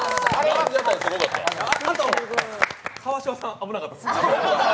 川島さん、危なかったです。